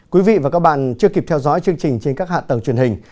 quý vị và các bạn chưa kịp theo dõi chương trình trên các hạ tầng truyền hình